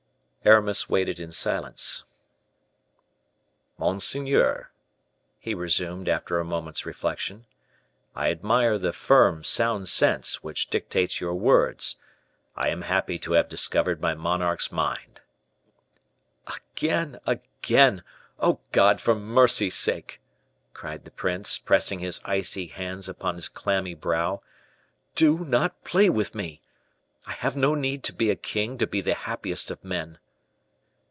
Aramis waited in silence. "Monseigneur," he resumed, after a moment's reflection, "I admire the firm, sound sense which dictates your words; I am happy to have discovered my monarch's mind." "Again, again! oh, God! for mercy's sake," cried the prince, pressing his icy hands upon his clammy brow, "do not play with me! I have no need to be a king to be the happiest of men."